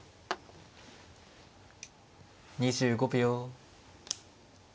２５秒。